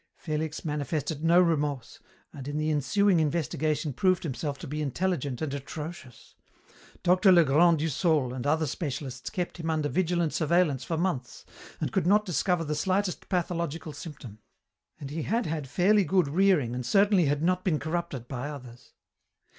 Felix manifested no remorse, and in the ensuing investigation proved himself to be intelligent and atrocious. Dr. Legrand Du Saule and other specialists kept him under vigilant surveillance for months, and could not discover the slightest pathological symptom. And he had had fairly good rearing and certainly had not been corrupted by others.